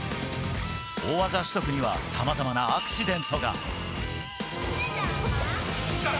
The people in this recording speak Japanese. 大技取得にはさまざまなアクシデントが。